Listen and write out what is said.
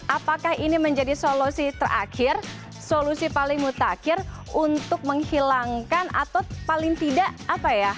apakah ini menjadi solusi terakhir solusi paling mutakhir untuk menghilangkan atau paling tidak apa ya